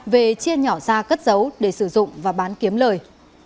về chia nhỏ ra cất dấu để sử dụng và bán kiếm lời